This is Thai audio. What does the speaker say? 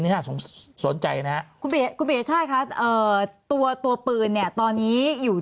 นี้สนใจนะครับคุณพิเศษใช่ครับตัวตัวปืนเนี่ยตอนนี้อยู่